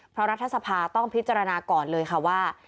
เพราะรัฐสภาต้องพิจารณาก่อนเลยค่ะว่า